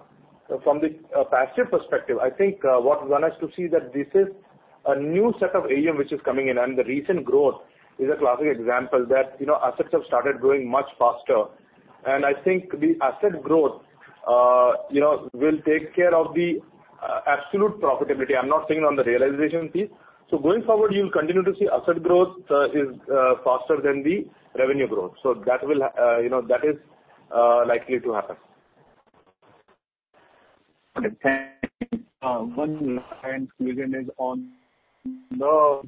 the passive perspective, I think what one has to see that this is a new set of AUM which is coming in and the recent growth is a classic example that, you know, assets have started growing much faster. I think the asset growth, you know, will take care of the absolute profitability. I'm not saying on the realization piece. Going forward, you'll continue to see asset growth is faster than the revenue growth. That will, you know, that is likely to happen. Okay. Thank you. One last question is on the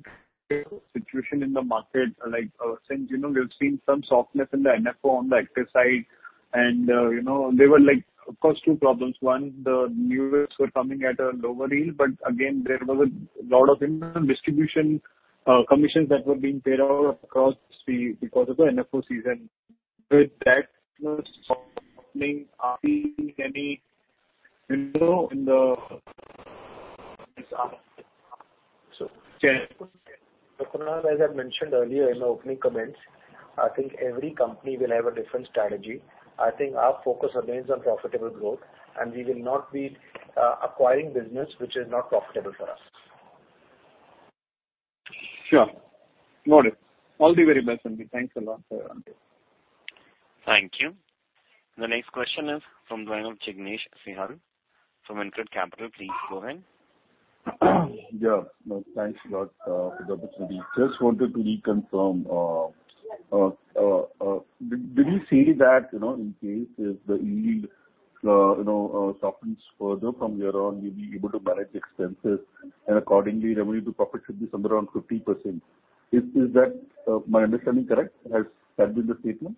situation in the market. Like, since, you know, we've seen some softness in the NFO on the active side and, you know, there were like, of course, two problems. One, the new issues were coming at a lower yield, but again, there was a lot of internal distribution commissions that were being paid out across the, because of the NFO season. With that softening, are we seeing any window in the Kunal, as I mentioned earlier in my opening comments, I think every company will have a different strategy. I think our focus remains on profitable growth, and we will not be acquiring business which is not profitable for us. Sure. Noted. All the very best, Sundeep. Thanks a lot. Thank you. The next question is from the line of Jignesh Shial from InCred Capital. Please go ahead. Yeah. Thanks a lot for the opportunity. Just wanted to reconfirm, did you say that, you know, in case if the yield, you know, softens further from here on, you'll be able to manage expenses and accordingly revenue to profit should be somewhere around 50%? Is that my understanding correct? Has that been the statement?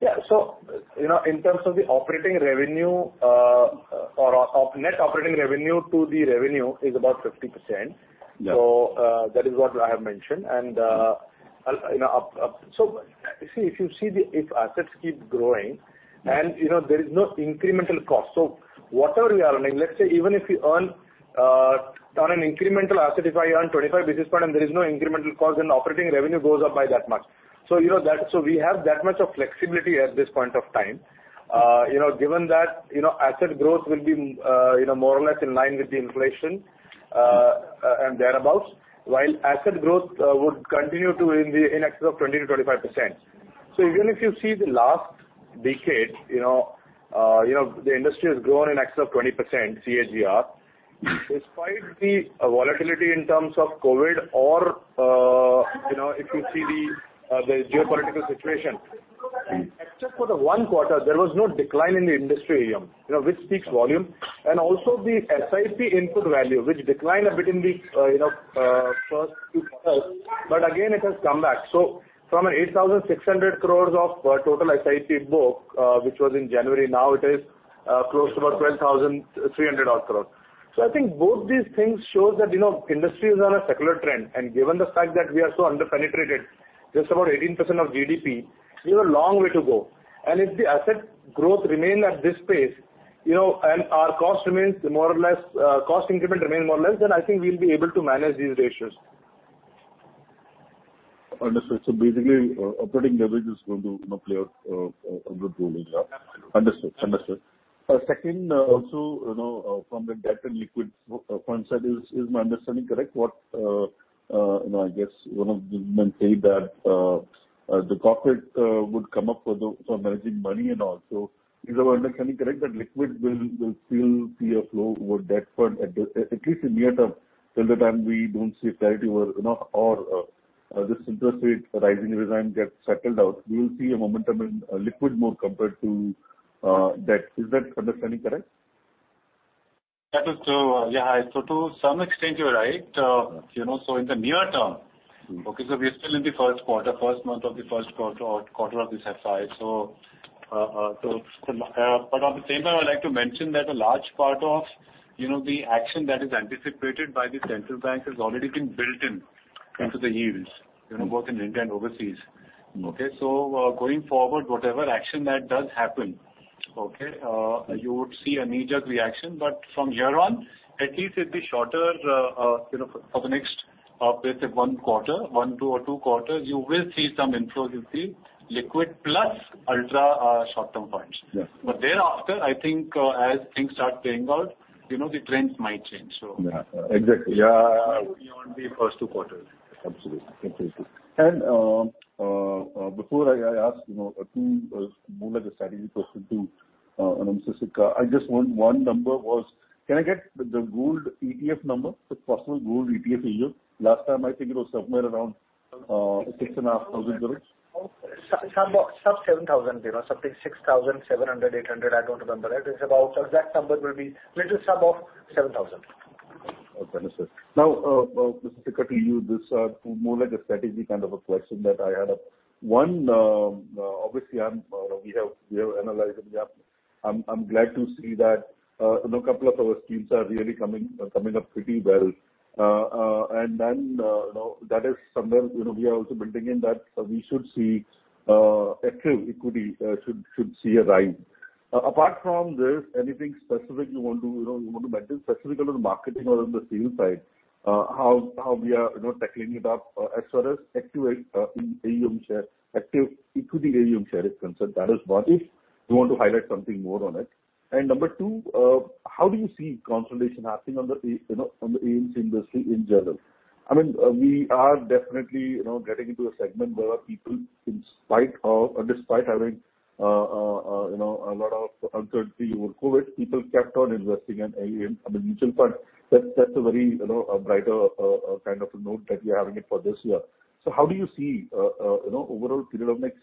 You know, in terms of the operating revenue or net operating revenue to the revenue is about 50%. Yeah. That is what I have mentioned. You know, if assets keep growing and, you know, there is no incremental cost. Whatever we are earning, let's say even if we earn on an incremental asset, if I earn 25 basis points and there is no incremental cost then operating revenue goes up by that much. You know that. We have that much of flexibility at this point of time. You know, given that, asset growth will be more or less in line with the inflation and thereabout, while asset growth would continue in excess of 20%-25%. Even if you see the last decade, you know, the industry has grown in excess of 20% CAGR. Despite the volatility in terms of COVID or, you know, if you see the geopolitical situation, except for the one quarter, there was no decline in the industry AUM, you know, which speaks volume. The SIP input value, which declined a bit in the, you know, first two quarters, but again, it has come back. From an 8,600 crores of total SIP book, which was in January, now it is, close to about 12,300 odd crores. I think both these things shows that, you know, industry is on a secular trend. Given the fact that we are so under-penetrated Just about 18% of GDP. We have a long way to go. If the asset growth remain at this pace, you know, and our cost remains more or less, cost increment remain more or less, then I think we'll be able to manage these ratios. Understood. Basically, operating leverage is going to, you know, play a good role in that. Absolutely. Understood. Second, also, you know, from the debt and liquid point of view, is my understanding correct what you know, I guess management said that the corporates would come up with for managing money and all. Is my understanding correct that liquid will still see a flow over debt fund. At least in near term till the time we don't see clarity or you know or this interest rate rising regime gets settled out, we will see a momentum in liquid more compared to debt. Is that understanding correct? That is true. Yeah. To some extent you're right. You know, in the near term. Mm. We're still in the first quarter, first month of the first quarter of this FY. At the same time, I'd like to mention that a large part of, you know, the action that is anticipated by the central bank has already been built in. Okay. into the yields, you know, both in India and overseas. Mm. Okay? Going forward, whatever action that does happen, okay, you would see an immediate reaction. From here on, at least it'll be shorter, you know, for the next, let's say one quarter, one or two quarters, you will see some inflow. You'll see liquid plus ultra short-term funds. Yes. Thereafter, I think, as things start playing out, you know, the trends might change. Yeah, exactly. Yeah. Beyond the first two quarters. Absolutely. Before I ask, you know, a few more like a strategy question to Sundeep Sikka, I just want one number. What's the Gold ETF number? So Nippon Gold ETF AUM. Last time I think it was somewhere around INR 6,500 crores. Some 7,000. You know, something 6,700, 800, I don't remember. It is about. Exact number will be little above 7,000. Okay, understood. Now, Mr. Sikka, to you this more like a strategy kind of a question that I had. One, obviously, we have analyzed and yeah, I'm glad to see that, you know, couple of our schemes are really coming up pretty well. You know, that is somewhere, you know, we are also building in that we should see active equity should see a rise. Apart from this, anything specific you want to, you know, you want to mention specific on the marketing or on the sales side? How we are, you know, tackling it up, as far as active equity in AUM share, active equity AUM share is concerned. That is one, if you want to highlight something more on it. Number two, how do you see consolidation happening on the AUM industry in general? I mean, we are definitely, you know, getting into a segment where people, in spite of or despite having, you know, a lot of uncertainty over COVID, people kept on investing in AUM, I mean, mutual funds. That's a very, you know, a brighter kind of a note that we are having it for this year. How do you see, you know, overall period of next,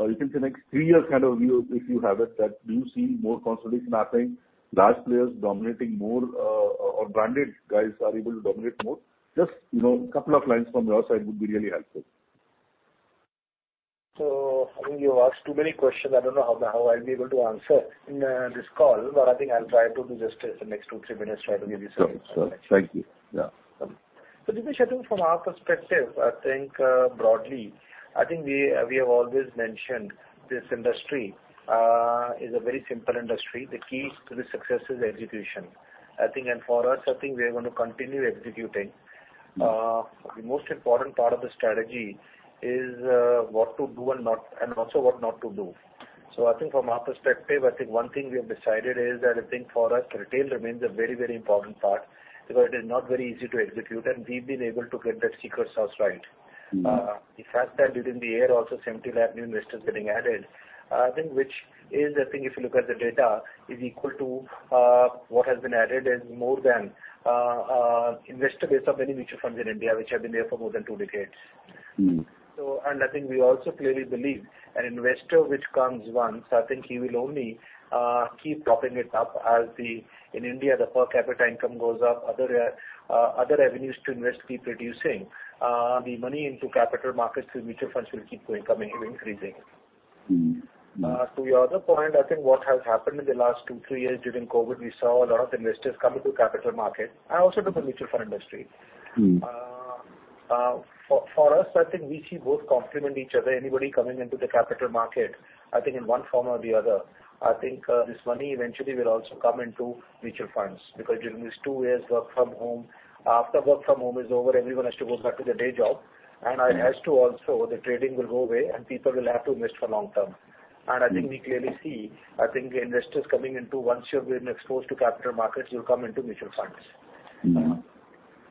you can say next three years kind of view if you have it that do you see more consolidation happening, large players dominating more, or branded guys are able to dominate more? Just, you know, couple of lines from your side would be really helpful. I think you've asked too many questions. I don't know how I'll be able to answer in this call. I think I'll try to just in the next two-three minutes try to give you some Sure. Sure. Thank you. Yeah. Jignesh, I think from our perspective, I think, broadly, I think we have always mentioned this industry is a very simple industry. The key to the success is execution. I think and for us, I think we are gonna continue executing. The most important part of the strategy is, what to do and not, and also what not to do. I think from our perspective, I think one thing we have decided is that I think for us retail remains a very, very important part because it is not very easy to execute, and we've been able to get that sweet spot right. Mm. The fact that during the year also 70 lakh new investors getting added, I think which is if you look at the data is equal to investor base of many mutual funds in India, which have been there for more than two decades. Mm. I think we also clearly believe an investor which comes once. I think he will only keep topping it up as the per capita income goes up in India. Other avenues to invest keep reducing. The money into capital markets through mutual funds will keep coming, increasing. Mm. To your other point, I think what has happened in the last two-three years during COVID, we saw a lot of investors coming to capital market and also to the mutual fund industry. Mm. For us, I think we see both complement each other. Anybody coming into the capital market, I think in one form or the other, I think, this money eventually will also come into mutual funds. Because during these two years work from home, after work from home is over, everyone has to go back to their day job. Mm-hmm. It has to also, the trading will go away and people will have to invest for long term. Mm. I think we clearly see. I think investors coming in once you've been exposed to capital markets. You'll come into mutual funds.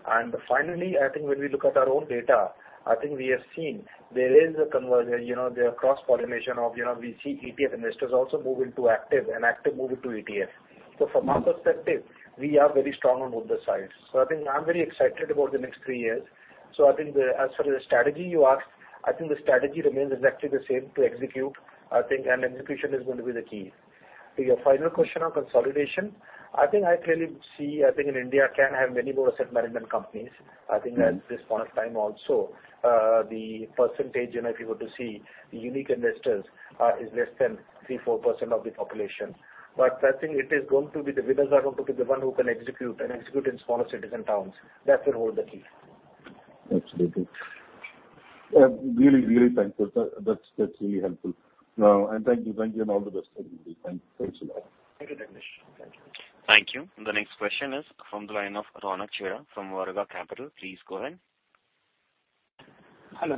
Mm-hmm. Finally, I think when we look at our own data, I think we have seen there is a conversion, you know, there are cross-pollination of, you know, we see ETF investors also move into active and active move into ETF. Mm. From our perspective, we are very strong on both the sides. I think I'm very excited about the next three years. I think the, as for the strategy you ask, I think the strategy remains exactly the same to execute, I think, and execution is going to be the key. To your final question on consolidation, I think I clearly see, I think in India can have many more asset management companies. Mm. I think at this point of time also, the percentage, you know, if you were to see the unique investors, is less than 3%-4% of the population. I think it is going to be the winners are going to be the one who can execute in smaller cities and towns. That will hold the key. Absolutely. Yeah, really thankful. That's really helpful. Thank you. Thank you, and all the best for the day. Thanks a lot. Thank you, Jignesh. Thank you. Thank you. The next question is from the line of Ronak Chheda from Awriga Capital. Please go ahead. Hello.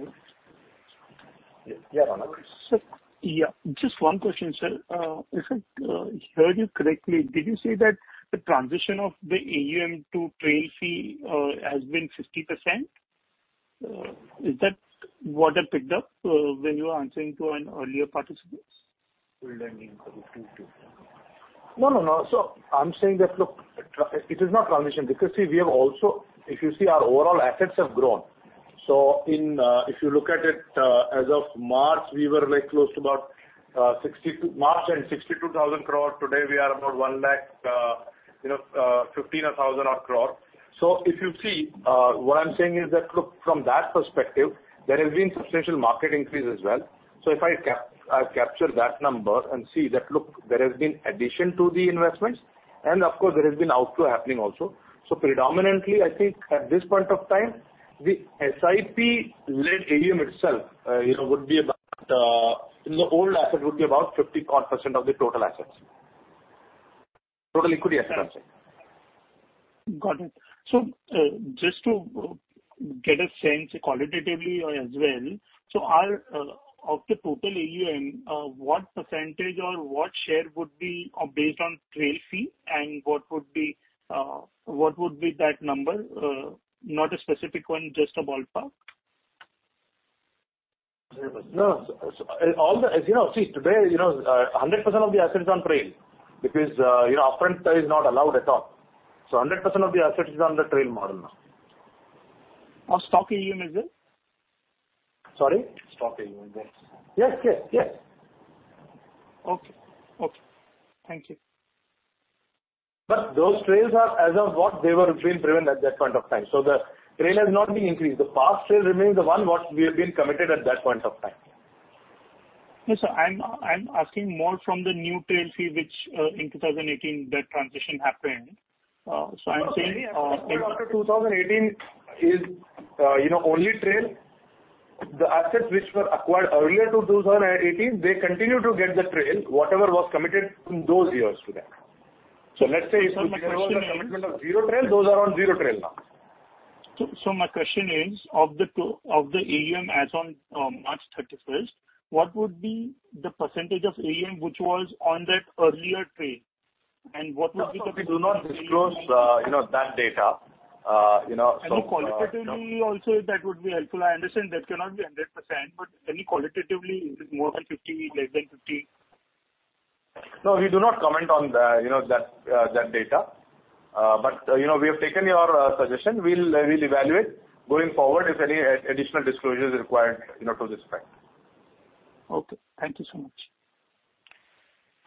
Yeah, Ronak. Sir, yeah. Just one question, sir. If I heard you correctly, did you say that the transition of the AUM to trail fee has been 50%? Is that what I picked up when you were answering to an earlier participant? No, no. I'm saying that, look, it is not transition, because, see, we have also. If you see our overall assets have grown. If you look at it, as of March, we were very close to about 62,000 crore. Today, we are about 1,15,000 crore. If you see, what I'm saying is that, look, from that perspective, there has been substantial market increase as well. If I capture that number and see that, look, there has been addition to the investments and of course there has been outflow happening also. Predominantly, I think at this point of time, the SIP-led AUM itself, you know, would be about 50-odd% of the total assets. Total equity assets. Got it. Just to get a sense qualitatively as well, of the total AUM, what percentage or what share would be based on trail fee and what would be that number? Not a specific one, just a ballpark. No. As you know, see today, you know, 100% of the assets on trail because, you know, upfront is not allowed at all. 100% of the assets is on the trail model now. Of stock AUM as well? Sorry. Stock AUM, yes. Yes, yes. Okay. Okay. Thank you. Those trails are as of what they were being driven at that point of time. The trail has not been increased. The past trail remains the one what we have been committed at that point of time. Yes. I'm asking more from the new trail fee, which in 2018 that transition happened. I'm saying in- No, no. Any assets acquired after 2018 is, you know, only trail. The assets which were acquired earlier to 2018, they continue to get the trail, whatever was committed in those years to them. Let's say if you- My question is- There was a commitment of zero trail, those are on zero trail now. My question is, of the two, of the AUM as on March thirty-first, what would be the percentage of AUM which was on that earlier trail? What would be the- No, we do not disclose, you know, that data. You know, no. I mean, qualitatively also that would be helpful. I understand that cannot be 100%, but any qualitatively, is it more than 50, less than 50? No, we do not comment on the, you know, that data. You know, we have taken your suggestion. We'll evaluate going forward if any additional disclosure is required, you know, to this effect. Okay. Thank you so much.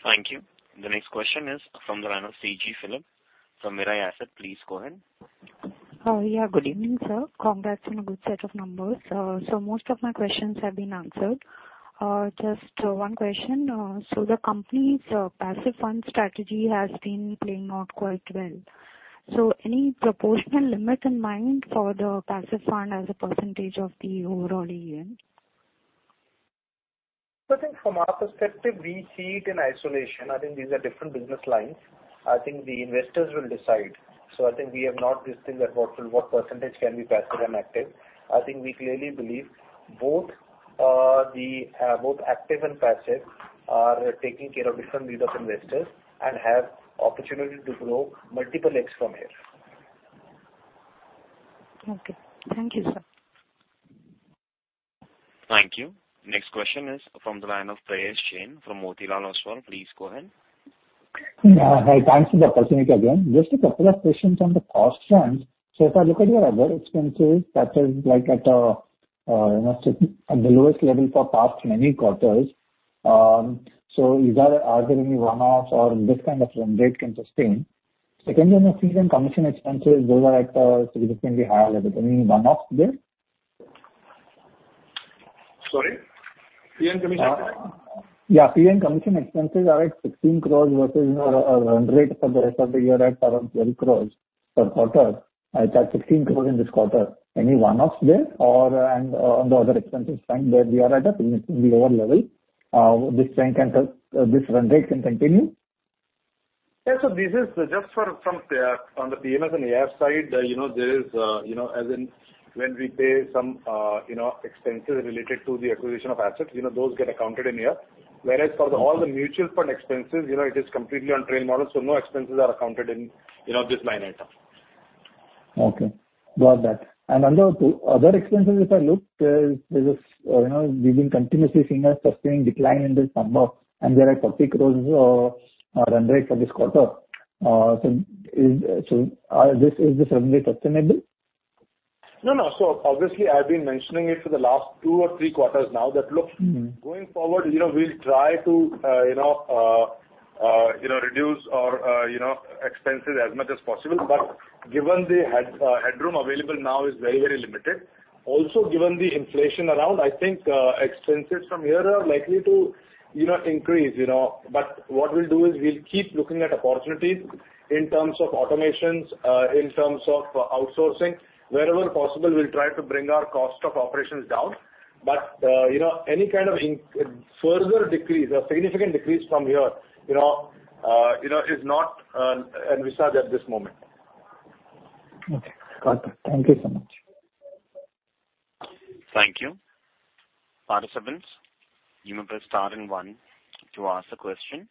Thank you. The next question is from the line of Siji Philip from Mirae Asset. Please go ahead. Good evening, sir. Congrats on a good set of numbers. Most of my questions have been answered. Just one question. The company's passive fund strategy has been playing out quite well. Any proportional limit in mind for the passive fund as a percentage of the overall AUM? I think from our perspective, we see it in isolation. I think these are different business lines. I think the investors will decide. I think we have not listed that what percentage can be passive and active. I think we clearly believe both active and passive are taking care of different needs of investors and have opportunity to grow multiple X from here. Okay. Thank you, sir. Thank you. Next question is from the line of Prayesh Jain from Motilal Oswal. Please go ahead. Hi, thanks for the opportunity again. Just a couple of questions on the cost front. If I look at your other expenses, that is like at the lowest level for past many quarters. Are there any one-offs or this kind of run rate can sustain? Secondly, on the fee and commission expenses, those are at a significantly higher level. Any one-offs there? Sorry. Fee and commission. Fee and commission expenses are at 16 crore versus your run rate for the rest of the year at around 12 crore per quarter. That's 16 crore in this quarter. Any one-offs there? On the other expenses line, there we are at a significantly lower level. This trend can, this run rate can continue? Yeah. This is just for some, on the PMS and AIF side, you know, there is, you know, as in when we pay some, you know, expenses related to the acquisition of assets, you know, those get accounted in here. Whereas for all the mutual fund expenses, you know, it is completely on trail model, so no expenses are accounted in, you know, this line item. Okay. Got that. Under other expenses, if I look, there's this, you know, we've been continuously seeing a sustained decline in this number, and there are 40 crore run rate for this quarter. So, is this run rate sustainable? No, no. Obviously, I've been mentioning it for the last two or three quarters now that. Mm-hmm. Going forward, you know, we'll try to, you know, reduce our, you know, expenses as much as possible. Given the headroom available now is very, very limited. Also, given the inflation around, I think, expenses from here are likely to, you know, increase, you know. What we'll do is we'll keep looking at opportunities in terms of automations, in terms of outsourcing. Wherever possible, we'll try to bring our cost of operations down. Any kind of further decrease or significant decrease from here, you know, is not envisaged at this moment. Okay. Got it. Thank you so much. Thank you. Participants, you may press star and one to ask a question.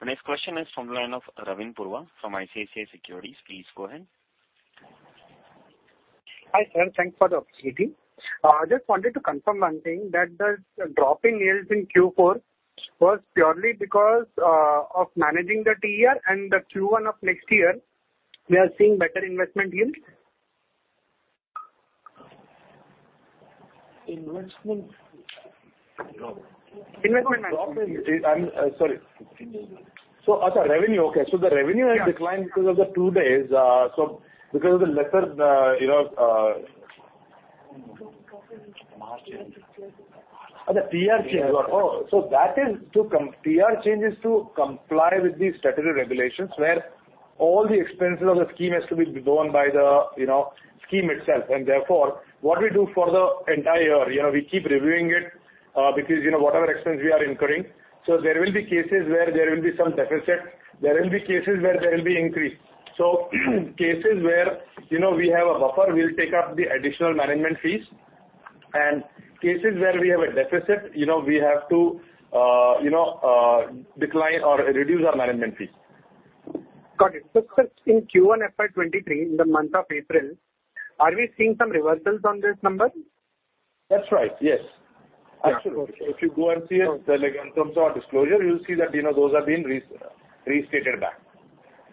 The next question is from the line of Ravin Kurwa from ICICI Securities. Please go ahead. Hi, sir. Thanks for the opportunity. Just wanted to confirm one thing, that the drop in yields in Q4 was purely because of managing the TER and the Q1 of next year, we are seeing better investment yields? Investment? No. Investment. Sorry. The revenue has declined because of the two days, because of the lesser, you know. Profit margin. The TER changes to comply with the statutory regulations, where all the expenses of the scheme has to be borne by the, you know, scheme itself. Therefore, what we do for the entire year, you know, we keep reviewing it, because, you know, whatever expense we are incurring. There will be cases where there will be some deficit. There will be cases where there will be increase. Cases where, you know, we have a buffer, we'll take up the additional management fees. Cases where we have a deficit, you know, we have to, you know, decline or reduce our management fees. Got it. In Q1 FY 2023, in the month of April, are we seeing some reversals on this number? That's right, yes. Actually, if you go and see it, like, in terms of our disclosure, you'll see that, you know, those are being restated back.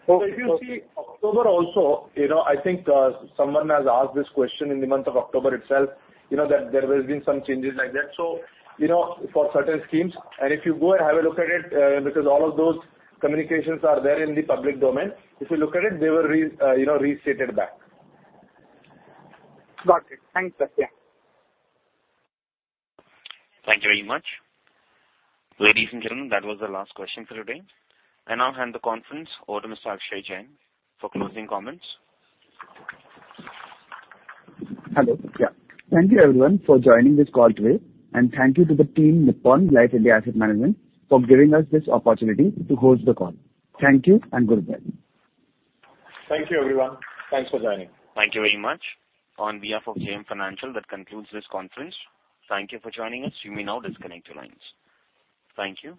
Okay. If you see October also, you know, I think, someone has asked this question in the month of October itself, you know, that there has been some changes like that. You know, for certain schemes, and if you go and have a look at it, because all of those communications are there in the public domain. If you look at it, they were restated back. Got it. Thanks, sir. Yeah. Thank you very much. Ladies and gentlemen, that was the last question for today. I now hand the conference over to Mr. Akshay Jain for closing comments. Hello. Yeah. Thank you everyone for joining this call today. Thank you to the team Nippon Life India Asset Management for giving us this opportunity to host the call. Thank you and goodbye. Thank you everyone. Thanks for joining. Thank you very much. On behalf of JM Financial, that concludes this conference. Thank you for joining us. You may now disconnect your lines. Thank you.